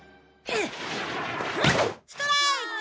ストライク！